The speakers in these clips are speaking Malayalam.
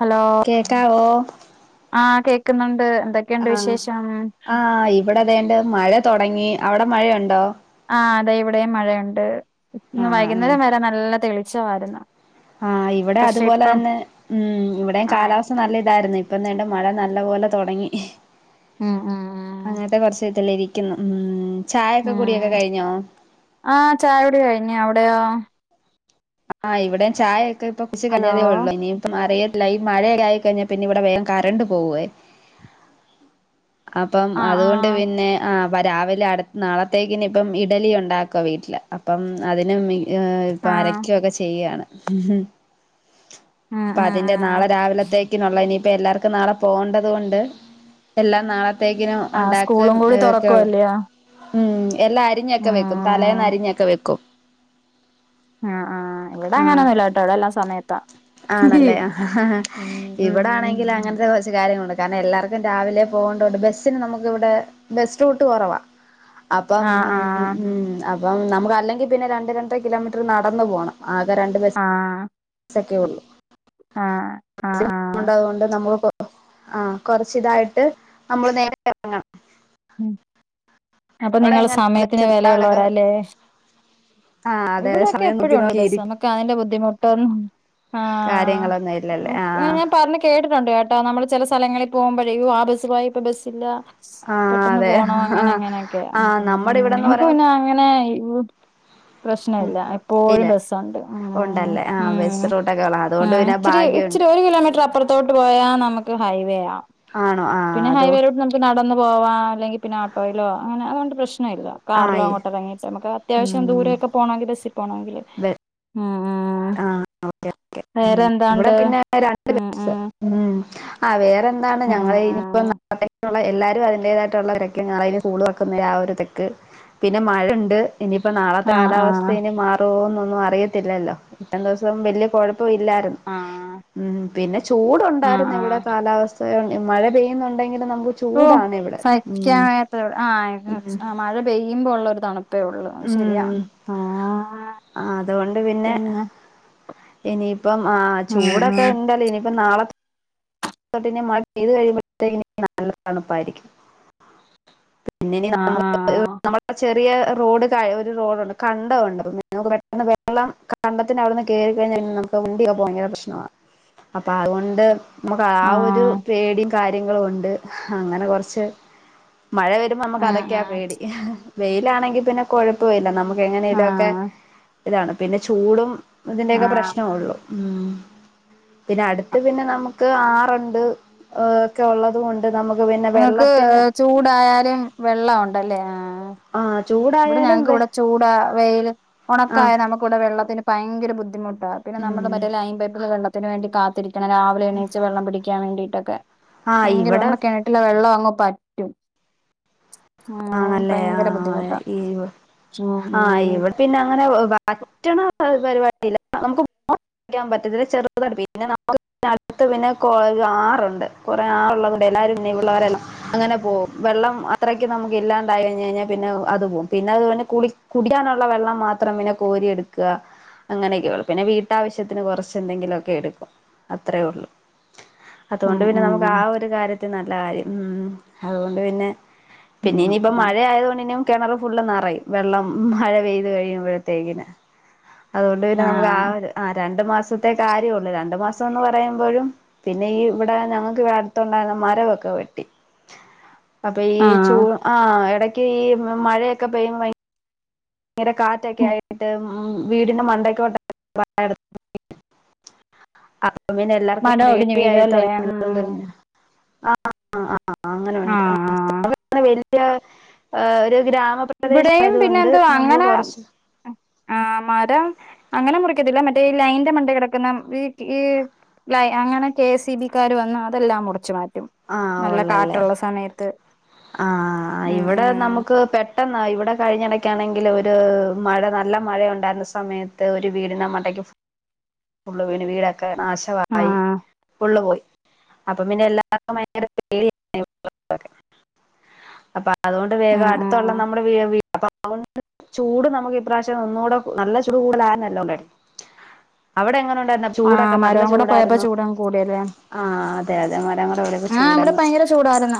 ഹലോ കേക്കാവോ ക്കുന്നുണ്ട് ആഹ ആഹ് ഇവിടെ അതണ്ട് മഴ തുൊടങ്ങി അവിടെ മഴയുണ്ടോ ആ അതെ ഇവിടെയും മഴയുണ്ട് ഇ ആഹ് ആഹ് വൈകുന്നേരം വരെ നല്ല തെളിച്ചമായിരുന്നു ആഹ് ഇവിടെ പക്ഷെ അതുപോലെ ഇപ്പം തന്നെ ഉം ഇവിടെയും ആ കാലാവസ്ഥ നല്ല ഇതായിരുന്നു ഇപ്പ എന്ത മഴ നല്ല പോലെ തുടങ്ങി ഉം ഉം അങ്ങനത്തെ കുറച്ച ഇതല ഇരിക്ക ക്കുന്നു ഉം ആഹ ചായാകൂടി കഴിഞ്ഞ അവിടെയോ ആഹ് ഇവിടെ ചായയ ഒക്കെ ഇപ്പൊ കുറച്ച് ഹലോ കിഞ്ഞതേ ഉള്ളു ഇനി ഇപ്പം അറിയ ഇല്ല ഈ മഴയല്ല ആയി കഴിഞ്ഞാ പിന്നെ ഇവിടെ വേഗം കറണ്ട് പോവേ അപ്പം ആ ആ അതുകൊണ്ട് പിന്നെ ആ അപ്പം രാവിലെ അടുത്ത് നാളത്തേക്കിിന ഇപ്പം ഇഡലി ഉണ്ടാക്കുക വീട്ടിൽ അപ്പം അതിനും ഇപ്പ ആ അരക്ക ചെയ്യാണ് ഉം അപ്പൊ ഉം അതിന്റെ ഉം നാളെ രാവിലത്തേക്കിനുള്ള ഇനി എല്ലാർക്കും നാളെ പോകേണ്ടത് കൊണ്ട് എല്ലാം നാളെ പ്രത്തേക്കിനും ആ ഉണ്ടാക്കുക സ്കൂളും കൂടി ക്കെയള്ളൂ തുറക്കുവല്ലയോ ഉം എല്ലാം അരിഞ്ഞൊക്കെ വെക്കും തലേന്ന് ഉം അരിഞ്ഞൊക്കെ വെക്കും ആ ആ് ഇവിടെ ആ അങ്ങനെൊന്നുമല്ല കേട്ടോവിടെ എല്ലാം സമയ ആണല്ലേ ഉം ഇവിടെ ആണെങ്കിൽ ഉം അങ്ങനത്തെ കുറച്ച് കാര്യങ്ങളൊെ കാരണം എല്ലാർക്കും രാവിലെ പോകണ്ട കൊണ്ട് ബസ്സിന് നമുക്ക് ഇവിടെ ബസ് റൂട്ട് കുറവാ അപ്പം ആ ആ ഉ ഉ അപ്പം നമുക്ക് അല്ലെങ്കിൽ പിന്നെ രണ്ട് രണ്ട കിലോമീറ്റർ നടന്നു പോണം ആകെ രണ്ട് ബസ് ആ ആ ആ ള്ളണ്ട് നമു ആ് കൊറച്ച ഇതായിട്ട് നമ്മള് നേര ഇറങ്ങണം ഉ അപ്പൊ അവിടെ നിങ്ങൾ എങ്ങനെ സമയത്തിന് രാവിലൊക്കെ? വിലയുള്ളവരല്ലേ ആ അതെ അതെ ഇവിടെയൊക്കെ സമയം എപ്പഴും നോക്കി ഉണ്ട് നോക്കി ബ ഇരിക്കും നമുക്ക് അതിന്റെ ബുദ്ധിമുട്ട് ആഹ കാര്യങ്ങളൊന്നും ഇല്ലല്ലേ ആ ഞാൻ പറഞ്ഞു കേട്ടിട്ടുണ്ട് കേ നമ്മള് ചില സ്ഥലങ്ങളിൽ പോകുമ്പോഴേും ആ ബസ്സുായി ഇപ്പ ബസ്സില്ല ആ പെട്ടന്ന് അതെ പോണം ആ അങ്ങനെ എങ്ങനെയൊക്കെ ആ നമ്മുടെ ഇവിടെന്ന് നമക്ക് പിന്നെ പറയുമ്പോ അങ്ങനെ പ്രശ്ന ഉം ഇല്ല ഇല്ല എപ്പോഴും ബസുണ്ട് ഉണ്ടല്ലേ ആ ഉ വെസ്റ്റ്റൂട്ടൊക്കെ ഉള്ള അതുകൊണ്ട് പിന്നെ ഇച്ചരി ഭാഗ്യമുണ്ട് ഇച്ചിരി ഒരു കിലോമീറ്റർ അപ്പുറത്തോട്ട് പോയാൽ നമുക്ക് ഹൈവേ ആ ആണോ ആ പിന്നെ അതോ ഹൈവേയിലോട്ട് നമുക്ക് നടന്ന പോവാ അല്ലെങ്ക പിന്നെ ആപ്പായിലോ അങ്ങനെ അതുകൊണ്ട് പ്രശ്നം കാറിലോ ആയി അങ്ങോട്ട ഇറങ്ങിട്ട് നമുക്ക് അത്യാവശം ഉം ദൂര ബസിൽ പോണോങ്കിൽ ആ ഓകെ ഓകെ വേറെന്ത ഇവിടെ പിന്നെ രണ്ട് [unintelligible] ആ വേറെന്താണ് ഉം ഞങ്ങൾ ഇനിപ്പോ ഉം എല്ലാരും അതിന്റേതായിട്ടുള്ള [unintelligible] പിന്നെ മഴണ്ട് ഇനിയിപ്പം നാളത്തെ ആഹ് കാലാവസ്ഥ ആഹ് ഇനി മാറൊന്നൊന്നും അറിയത്തില്ലല്ലോ ഇത്തം ദിവസം വെല്ല്യ കൊഴ പ്പം ഇല്ലായിരുന്നു ആഹ് ഉ പിന്നെ ആഹ് ചൂടുണ്ടായിരുന്നു ഇവിടെ ആഹ് കാലാവസ്ഥ മഴ പെയ്യുന്നുണ്ടെങ്കിൽ ഓ സഹിക്കാ ആ ആ മഴ പെയ്യുമ്പോ ള്ള ഒരു തണുപ്പേ ഒള്ളൂ ശരിയാ ആ ആ അതുകൊണ്ട് പിന്നെ ഇനിയിപ്പം ആ ഉം ചൂടൊക്കെ ഉം ഇണ്ടല്ലോ ഇനിയിപ്പം നാളെ [unintelligible] ആഹ് ആഹ് [unintelligible] ചെറിയ റോഡ് കഒരു റോഡുണ്ട് കണ്ടവുണ്ട് പെട്ട വെള്ളം കണ്ട ത് ന് അവിട്ന്ന് കെറിക്കഴിഞ്ഞ നമുക്ക് ഉണ്ടിയൊക്കെ ഭയങ്കര പ്രശ്നമാണ് അപ്പ അതുകൊണ്ട് നമുക്ക് ആ ആഹ് ഒരു ആഹ് പേടിം കാര്യങ്ങളും ണ്ട് അങ്ങനെ കൊറ്ച്ച് മഴ വരുമ്പോ നമുക്ക് ഉം അതൊക്കെയാ ഉം പേടി വെയിലാണെങ്കി പിന്നെ കൊഴപ്പവില്ല നമുക്ക് എങ്ങനെയെലും ഒക്കെ ആഹ് ഇതാണ് പിന്നെ ചൂടും ഇതിന്റെക്കെ ആഹ് പ്രശ്നൊള്ളു ഉ പിന്നെ അട്ത്ത് പിന്നെ നമുക്ക് ആറ്ണ്ട് ഹേ ഒക്കെ ഉള്ളത് കൊണ്ട് നമുക്ക് പിന്നെ ഞങ്ങക്ക് വെള്ളത്തിന് ചൂടായാലും വെള്ളം ഉണ്ടല്ലേ ആ ആ ഇവിടെ ചൂടായാലും ഞങ്ങക്ക് വെ വിടെ ചൂടാ വെയില് ആ ഉണക്കായ നമുക്കിവിടെ വെള്ളത്തിന് ഭയങ്കര ബുദ്ധിമുട്ട് പിന്നെനമ്മടെ ഉം മറ്റേ ലൈൻ പൈപ്പിലെ വെള്ളത്തിന് വേണ്ടി കാത്തിരിക്കണം രാവിലെ എണീച്ച് വെള്ളം പിടിക്കാൻ വേണ്ടിട്ടൊക്കെ ആഹ് ഭയങ്കര ഇവിടെ നമ്മുടെ കിണറ്റില വെള്ളം അങ് പറ്റും ഉ ഭയങ്കര ബുദ്ധിമുട്ടാ ഉം ആ ഇവെടെ പിന്നെ അങ്ങനെ വറ്റ്ണ അ പരിപാടില്ല നമുക്ക് [unintelligible] [unintelligible] അങ്ങനെ പോകും വെള്ളം അത്രേ ക്ക്‌ നമുക്ക് ഇല്ലാണ്ടായി [unintelligible] പിന്നെ അത് പോകും പിന്നെ അത് കുടി കുടിക്കാനുള്ള വെള്ളം മാത്രം പിന്നെ കോരി ക്കാ അങ്ങനെയൊക്കെ ഒള്ളൂ പിന്നെ വീട്ടാവശ്യത്തിന് കൊറ്ച്ച് എന്തെങ്കിലുക്കെ എടുക്കും അത്രേ ഉള്ളു ഉം അതുകൊണ്ട് പിന്നെ നമുക്ക് ആ ഉം ഒരു കാര്യത്തി നല്ല കാര്യം ഉം അതുകൊണ്ട് പിന്നെ പിന്നെ ഉം ഇനിയിപ്പം ഉം മഴയായതുകൊണ്ട്നും കിണർ ഫുള്ള് നറയും വെള്ളം മഴ പെയ്ത് കഴിയുമ്പോഴത്തേക്കിന് അതുകൊണ്ട് പിന്നെ നമുക്ക് ആ ആഹ് ഒര് ആ രണ്ടു മാസത്തെ കാര്യ ഒള്ളൂ രണ്ട് മാസം എന്ന് പറയുമ്പോഴും പിന്നെ ഈ ഇവിടെ ഞങ്ങക്ക് അടുത്തുണ്ടായിരുന്ന മരമൊക്കെ വെട്ടി അപ്പ ഈ ചൂ ആഹ് ആ എടക്ക് ഈ മഴയൊക്കെ പെയ്യു ങ്ങരെ കാറ്റൊക്കെ ആയിട്ട് ഉ വീടിന്റെ മണ്ടക്ക് [unintelligible] അപ്പ പിന്നെ എല്ലാർക്കും മരം ഒടിഞ്ഞ് പെടിയായി വീഴുവല്ലേ തോട്ങിയത് ഉം തന്നെ [unintelligible] ആഹ് ഇവിടെയും ഗ്രാമപ്രദേശായത് പിന്നെ കൊണ്ട് എന്തുവാ നമുക്ക് അങ്ങനെ കൊറച്ച് ആ മരം അങ്ങനെ മുറിക്കത്തില്ല മറ്റേ ഈ ലൈൻന്റെ മണ്ടെ കെടക്കുന്ന ഈ ഈ ലൈ അങ്ങനെ കെ സി ബിക്കാർ വന്ന് അതെല്ലാം മുറച്ച് മാറ്റ നല്ല കാറ്റുള്ള സമയത്ത് ആ ഉം ഇവിടെ ഉം നമുക്ക് പെട്ട ന്നായി ഇവിടെ കഴിഞ്ഞടക്കാണെങ്കിൽ ഒര് മഴ നല്ല മഴ ഉണ്ടായിരുന്ന സമയത്ത് ഒരു വീടിന്റെ മണ്ടക്ക് ഫുള്ള് വീണ് വീടൊക്കെ ആ നാശമായി ഫുള്ള് പോയി അപ്പ പിന്നെ എല്ലാർക്കും ഭയങ്കര [unintelligible] അതുകൊണ്ട് വേഗം ഉം ഉം അടുത്തുള്ളനമ്മെ [unintelligible] നമ്മുടെ അപ്പൊ അതൊണ്ട് ചൂട് നമുക്ക് ഇപ്രാവശ്യം ഒന്നുകൂടെ നല്ല ചൂട് [unintelligible] അവിടെ എങ്ങനെ ഇണ്ടായിരുന്നു ആ ചൂടൊക്കെ നല്ല മരവും കൂടെ പോയപ്പോ ചൂടായിരുന്നോ? ചൂടങ്ങ് കൂടിയല്ലേ ആഹ അതെ അതെ മരങ്ങള വിടെ ഒക്കെ ആ ഇവിടെ ചൂടങ്ങ്. ഭയങ്കര ചൂടായിരുന്നു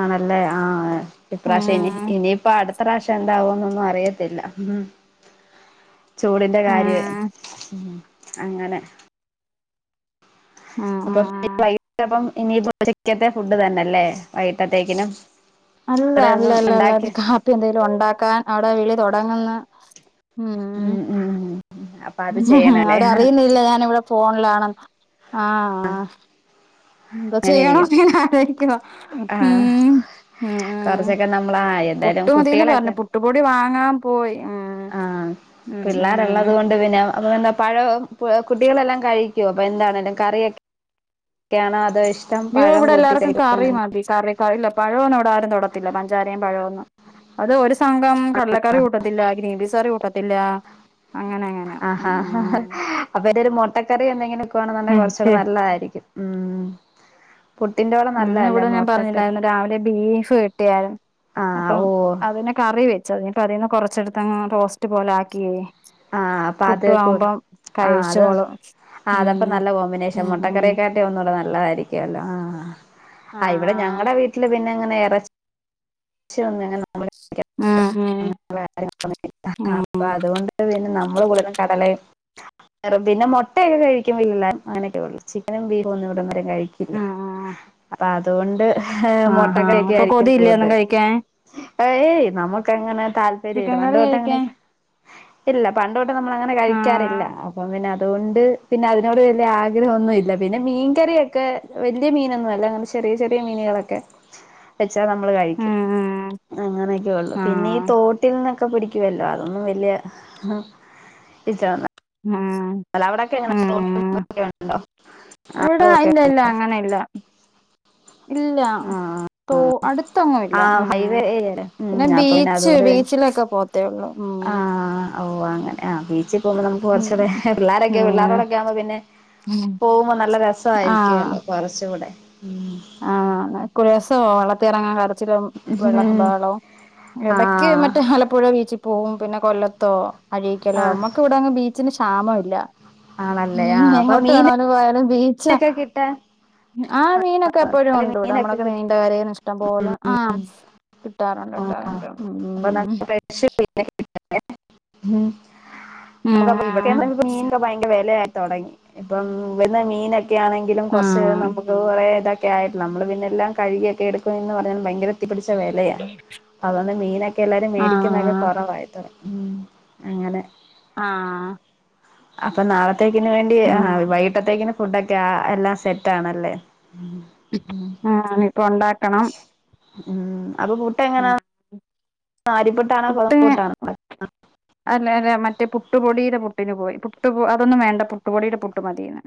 ആണല്ലേ ആഹ ഉം ഇപ്രാവശ്യ ഇനി ഉം ഇനിയിപ്പ അടുത്ത അടുത്ത പ്രാവശ്യം എന്താവും എന്നൊന്നും അറിയത്തില്ല ഉ ചൂടിന്റെ കാര്യമേ ഉം അങ്ങനെ. ഉം അപ്പൊ ഉം വൈകിട്ടപം ഇനി ഉചക്കത്തെ ഫുഡ് തന്നെല്ലേ വൈകിട്ടത്തേക്കിനും. അല്ല വേറെ അല്ല ഒന്നും അല്ല അല്ല അത് ഉണ്ടാക്കി കാപ്പി എന്തെലും ഉണ്ടാക്കാൻ അവിടെ വിളി തൊടങ്ങുന്. ഉം അപ്പൊ അത് ചെയ്യണല്ലേ അവരറിയുന്നില്ല ഞാനിവിടെ ഫോണിലാണെന്ന് ആഹ ന്ത അങ്ങനെ ചെയ്യാന്ന ഇരിക്കും പിന്ന ആ ലോയിക്കുവ ഉം. ആഹ് ഉം ഉം കൊറച്ചൊക്കെ നമ്മള് ആഹ് എന്തായാലും പുട്ടുമതിന്ന് പറഞ്ഞു കുട്ടികളൊക്കെ പുട്ടുപൊടി വാങ്ങാൻ പോയി ഉ ആഹ പിള്ളേരുള്ളത് കൊണ്ട് പിന്നെ അപ്പൊ എന്താ പഴോ? കുട്ടികളെല്ലാം കഴിക്കും അപ്പൊ എന്താണേങ്കിലും കറിയൊക്കെ ഒക്കെയാണോ അതോ ഇഷ്ടം യോ പഴം ഇവിടെ കൂട്ടി എല്ലാർക്കും കറി കഴിക്കാനാ മതി കറി. പഴ ഇല്ല പ ഴൊന്നും ഇവിടെ ആരും തൊടത്തില്ല പഞ്ചാരയും പഴവുംന്ന് അത് സംഘം കടലക്കറി കൂട്ടത്തില്ല ഗ്രീൻപീസ് കറി കൂട്ടത്തില്ല. അങ്ങനെ അങ്ങനെ ആാ ഹാ ഉം അപ്പൊ എന്റെ ഒരു മൊട്ടക്കറി എന്തെങ്കിലും വക്കുവാണെന്നുണ്ടങ്കിൽ കൊറച്ചൂ ടെ അതെ നല്ലതായിരിക്കും. ഉം പുട്ടിന്റെ കൂടെ ഉന്ന് നല്ലതല്ലേ ഇവിടെ ഞാൻ മുട്ടക്കറി പറഞ്ഞില്ലായിരുന്നു രാവിലെ ബീഫ് കിട്ടിയാരുന്നു. ആഹ് അപ്പം ഓ അതിനെ കറി വെച്ചു അതിന്ന് കൊറച്ചടുത്തങ്ങ് റോസ്റ്റ് പോലെ ആക്കിയേ. ആഹ അപ്പൊ അത പുട്ടും കൂടെ ആവുമ്പം ആഹ് അത് കഴിച്ചോളും ആ ഉം അതപ്പ നല്ല കോമ്പിനേഷൻ ഉം ഉം മൊട്ടക്കറിയക്കാട്ടിലും ഒന്നുടെ നല്ലതായി. [unintelligible] ആ ഇവിടെ ഞങ്ങളടെ വീട്ടില് പിന്നെങ്ങനെ ഇറച്ച [unintelligible] [unintelligible] അപ്പം അതുകൊണ്ട് നമ്മള് കൂടുതലും കടലയും. [unintelligible] പിന്നെ മൊട്ടയൊക്കെ കഴിക്കുമ്പോ അങ്ങനൊക്കെ ഉള്ളൂ ചിക്കനും ബീഫും ഒന്നും ഇവിട വരെ. കഴിക്കില്ല ഉം അപ്പൊ അതുകൊണ്ട് ആഹാ മൊട്ടകഴിക്ക അപ്പൊ ആയിരിക്കും കൊതിയില്ലേ ഒന്നും കൂടുതൽ കഴിക്കാൻ ഏ ഏയ് നമ്മുക്ക്. അങ്ങനെ താല്പര്യല്ല ചിക്കൻ പണ്ട് കറി തൊട്ട അങ്ങനെ കഴിക്കാൻ ഇല്ല. പണ്ടുതൊട്ട് നമ്മളങ്ങനെ കഴിക്കാറില്ല ആഹ് അപ്പ പിന്നെ അതുകൊണ്ട് പിന്നെ അതിനോട് വലിയ ആഗ്രഹം ഒന്നുല്ല പിന്നെ മീൻകറിയൊക്കെ വലിയ മീനൊന്നും അല്ല അങ്ങനെ ചെറി ചെറിയ ചെറിയ മീനുകളൊക്കെ വെച്ചാൽ നമ്മൾ കഴിക്കും ഉം അങ്ങനെയൊക്കെ ഉള്ളു. പിന്നെ ഈ ആഹ് തോട്ടിൽ നിന്നൊക്കെ പിടിക്കുവല്ലോ അതൊന്നും വലിയ ഇഷ്ടല്ല. ആഹ ആ ഒക്കെ ഉണ്ടോ ഇവിടാ ആറുമൊക്കെ ഇല്ല ഇല്ല അങ്ങനെ ഇല്ല ഇല്ല. ആ തോട് അടുത്തെങ്ങുല്ല ആ ഉ ഹൈവേ ഏരിയ അല്ലേ ഉം പിന്നെ അപ്പൊ ബീച്ച് ബീച്ചിലൊക്കെ പോത്തേഒള്ളൂ ഉ ആഹ ഓ അങ്ങനെ ആ ബീച്ചിൽ പോകുമ്പോൾ നമുക്ക് ഉം കുറച്ചുകൂടെ. പിള്ളാരൊക്കെ പിള്ളേരോടൊക്കെ ആകുമ്പോ പിന്നെ ഉം പോകുമ്പോ നല്ല രസയിരിക്കുവേല്ല ആഹ് കുറച്ചുടെ. ഉ [unintelligible] വെള്ളത്തിറങ്ങാൻ [unintelligible] ആ ഇടക്ക് മറ്റേ ആലപ്പുഴ ബീച്ച്. പോവും പിന്നെ കൊല്ലത്തോ അഴീക്കലോ ആ നമ്മുക്ക് ഇവിടങ്ങ് ബീച്ചിന് ക്ഷാമമില്ല. ഉ ആണല്ലേ ആ അപ്പൊ എങ്ങോട്ട് മീനൊക്കെ വേണാലും പോയാലും ബീച്ച കിട്ടാൻ ആ മീനൊക്കെ. ക്കെ എപ്പോഴും നല്ല ഉണ്ടിവിടെ മീനൊക്കെ നമ്മളൊക്കെ കിട്ടും നീണ്ട കരേന്ന്ഇഷ്ടം പോലെ ആ കിട്ടാറുണ്ട് ആ ണ്ടോ ണ്ട് മ്മ് [inaudible] ന ഉം മ്മുക്ക് പ്പോ ഇവിടെ ആഹ് മീൻഭയങ്കര വെലാ. തൊടങ്ങി ഇപ്പം ഇവിടുന്ന്മീനൊക്കെ ആണെങ്കിലും കുറച്ച് നമുക്ക് കുറേ ഇതെ ക്കെ യിരുന്നു. നമ്മള് പിന്നെല്ലാം കഴുകിയൊക്കെ എടുക്കും എന്ന് പറഞ്ഞാലു ഭയങ്കര തീ പിടിച്ച വിലയാ അതോണ്ട് മീനൊ ക്കെ എല്ലാരും മേടിക്കുന്നൊക്കെ കുറവായി തൊട ഉം അങ്ങനെ. ആഹ് ആഹ് അപ്പൊ നാളത്തേക്കിന് വേണ്ടി ഉം വൈകിട്ടത്തേക്ക്ന്. ക്ക എല്ലാം സെറ്റ് ആണല്ലേ? ആ ഇപ്പൊ ഉണ്ടാക്കണം. ഉം അപ്പൊ പുട്ട് എങ്ങനാ. ഉം ആരിപ്പുട്ടാണോ പുട്ടിന് ഗോതമ്പ്പുട്ടാണോ? അല്ല അല്ല മറ്റേ പുട്ടുപൊടിയുടെ പുട്ടിന് പോയി പുട്ടു പൊ അതന്നും വേണ്ട പുട്ടുപൊടിയുടെ പുട്ട് മതീന്ന്.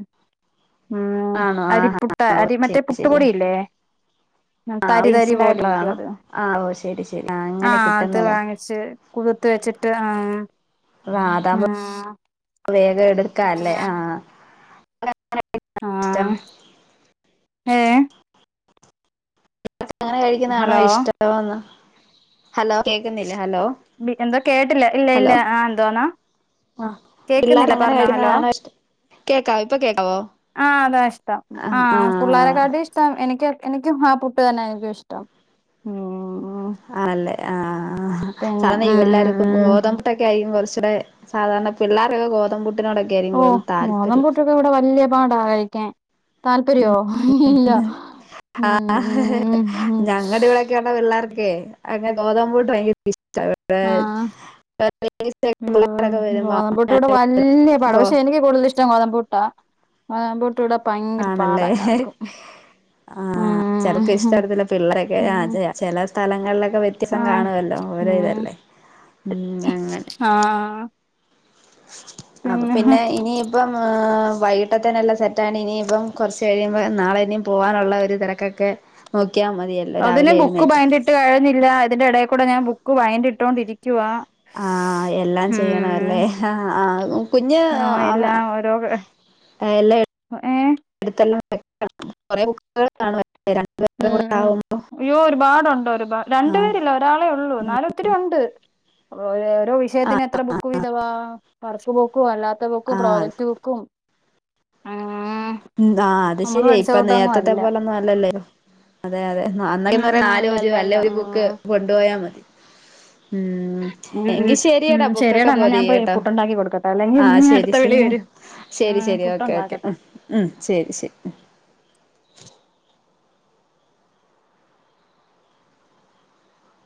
ഉം ആണോ ആഹാ അരിപ്പുട്ട് ഓ അരി മറ്റേ ശരി ശരി പുട്ടുപൊടിയില്ലേ? ആ തരിതരി ഇൻസ്റ്റന്റ് പോലെ ഇരിക്കും ആയിട്ടുള്ളതാണോ അത് ആ ഓ ശരി ശരി ആ അങ്ങനെ അത് കിട്ടുന്നതാ വാങ്ങിച്ച് കു തുത്ത് വെച്ചിട്ട് ആ അതാ ആ വേഗം എടുക്കാല്ലേ ആ ആ അങ്ങനെ കഴിക്കുന്നാണോ ഹലോ ഇഷ്ടോന്ന് ഹലോ കേക്കുന്നില്ലെ. എന്താ കേട്ടില്ലേ ഇല്ല ഇല്ല ആ എന്തോന്നാ. ആഹ് പിള്ളേർ കേക്കുന്നില്ല അങ്ങനെ പറഞ്ഞോ ഹലോ. കഴിക്കുന്നതാണോ ഇഷ്ടം കേക്കാവോ ഇപ്പൊ കേക്കാവോ ആ അതാ ഇഷ്ടം ആ ആഹ് പു ആഹ് ള്ളരക്കാട്ടീ ഇഷ്ടം എനിക്ക് എനിക്കും ആ പുട്ട് തന്നൊ നിക്കുംഇഷ്ടം ഉം. ആല്ലെ ആ പിന്നെ സാധാരണ ഉം ഉം പിള്ളേർക്കും ഉം ഗോതമ്പുട്ടൊക്കെ ആയിരിക്കും കൊർ ച്ച്ടെ സാധാരണ പിള്ളോരൊക്കെ ഗോതമ്പു ട്ട്നോടൊക്കെ അയിരിക്കും ഓഹ് കൂടുതൽ താല്പര്യം. ഗോതമ്പുട്ടൊക്കെ ഇവിടെ വല്യ പാടാ കഴിക്കാൻ താല്പര്യോ ഉം ഇല്ല ഉം ആ ഉം ആ ഉം ഉം ഞങ്ങളുടെ ഇവിടെക്കെ പറഞ്ഞ പിള്ളേർ ക്ക് അങ്ങനെ ഗോതമ്പൂട്ട് ഭയങ്കര പി സ്റ്റാ ഇവിടെ. ആ പിള്ളേരൊക്കെ വരുമ്പോ ഗോതമ്പ്പുട്ട് ഇവിടെ വല്യയ പാട ഗോ പക്ഷെ എനിക്ക് കൂടുതലൽ ഇഷ് ടം ഗോതമ്പ്പുട്ടാ ഗോതമ്പ്പുട്ട് ഇവിടെ ഭയങ്കര പാടാ ആണല്ലേ. എല്ലാർക്കും ആ ചെർക്ക് ഉം ഇഷ്ടപ്പെടത്തില്ല പിള്ളരൊക്കെ ആ ഉം ചെല സ്ഥലങ്ങളിലൊ ക്കെ വ്യത്യസം ആഹ് കാണുവല്ലോ ഓരോ ഉം ഇതല്ലേ ഉം അങ്ങനെ. ആഹ് അപ്പൊ പിന്നെ ഇനിയിപ്പം വൈകിട്ടത്തെന് എല്ലാം സെറ്റ് ആയോണ്ട് ഇനിയിപ്പം കുറച്ച് കഴിയുമ്പോ നാളെ ഇനി പോകാനുള്ള ഒരു തിരക്കൊക്കെ നോ അതിന് ബുക്ക് ഭയറ്റ് ഇട്ട് കഴിഞ്ഞില്ല ഇതിന്റെ ഇടേ കൂടെ ഞാൻ ബുക്ക് ഭയറ്റ്ട്ടൊണ്ടിരി ക്കുവാ ആഹ് എല്ലാം ചെയ്യണം ഉം അല്ലേ ആഹ് ആഹ് കുഞ്ഞ് ആ അവ എല്ലാം ഓരോ. [unintelligible] എല്ലാം ഏഹ് ഇടുത്ത് ങ്ങ് വെയ്ക്ക ണ്ണം കൊറെ ബുക്ക്‌ കൾ കാണുവല്ലോ രണ്ട് ഉം പേര് കൂടെ ഉം ആവുമ്പോ. അയ്യോ ഒരുപാടുണ്ട് ഒരുപാ രണ്ട് ആഹ് പേരില്ല ഒരാളെ ഉള്ളൂ എന്നാലും ഒത്തിരി ഉണ്ട്. ഓരോ രോ വിഷയത്തിന് ആഹ് എത്ര ബുക്ക് വിതവാ വർക്ക് ബുക്കും അല്ലാത്ത ബുക്കും ആഹ് പ്രോജക്ട് ബുക്കും. ക്കും ആ ഉം ആ അത് ശെരിയായി ഇപ്പ കൂട്ടൊന്നും നേരത്തെ അല്ല പോലൊന്നും അല്ലല്ലേ അതെ അതെ.. അന്നെക്കെ പറയുന്നേ [unintelligible] അല്ല ഒരു ബുക്ക് കൊണ്ടുപോയാ മതി. ഉം ഉം ഉം എങ്കിൽ ശരിയടാ ഉം ബുക്കൊക്കെ ശരിയെടാ എന്നാ ഞാൻ പോയി പോതികേട്ടോ പുട്ടുണ്ടാക്കി കൊടുക്കട്ടെ അല്ലെങ്കി ഇനി ആശരി അടുത്ത വിളി ശരി. വരും ശരി ആഹ് ശരി ഓക്കെ ഓക്കെ പുട്ടുണ്ടാക്കട്ടെ ഉം ഉം ശരി ശരി.